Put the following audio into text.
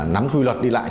nắm quy luật đi lại